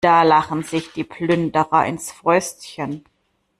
Da lachen sich die Plünderer ins Fäustchen.